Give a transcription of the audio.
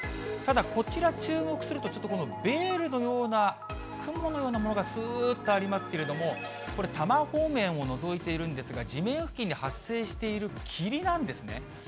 ただ、こちら、注目するとちょっとベールのような、雲のようなものがすーっとありますけれども、これ、多摩方面をのぞいているんですが、地面付近に発生している霧なんですね。